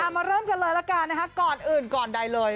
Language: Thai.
มาเริ่มกันเลยละกันนะคะก่อนอื่นก่อนใดเลย